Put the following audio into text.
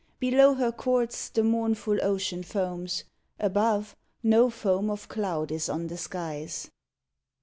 Below her courts the mournful ocean foams ; Above, no foam of cloud is on the skies.